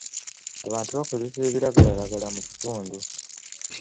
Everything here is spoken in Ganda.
Abantu bakozesa ebiragalalagala mu kitundu.